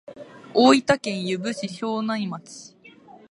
大分県由布市庄内町